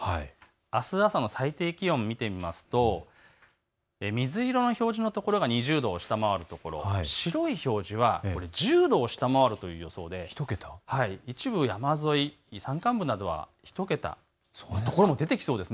あす朝の最低気温見てみますと水色の表示のところが２０度を下回る所、白い表示は１０度を下回る予想で一部山沿い、山間部などは１桁、そういうところも出てきそうです。